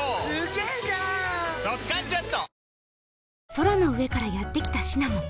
空の上からやってきたシナモン